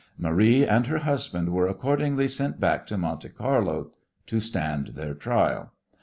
Marie and her husband were accordingly sent back to Monte Carlo to stand their trial.